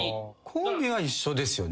コンビは一緒ですよね？